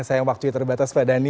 sayang waktunya terbatas pak dhani